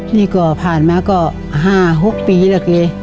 นี่ก็ผ่านมาก็๕๖ปีแหละเก่ย